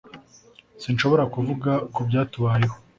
sinshobora kuvuga kubyatubayeho,